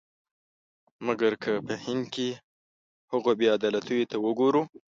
مګر که په هند کې هغو بې عدالتیو ته وګورو.